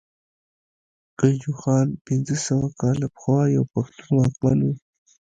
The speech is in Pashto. ګجوخان پنځه سوه کاله پخوا يو پښتون واکمن وو